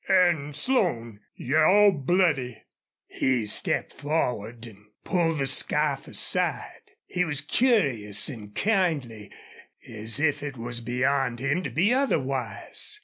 ... An' Slone you're all bloody." He stepped forward and pulled the scarf aside. He was curious and kindly, as if it was beyond him to be otherwise.